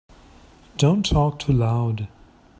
Don't talk too loud.